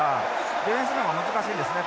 ディフェンスの方が難しいんですね。